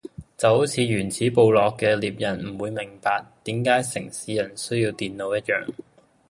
就好似原始部落嘅獵人唔會明白點解城市人需要電腦一樣